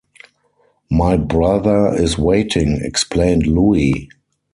“My brother is waiting,” explained Louie.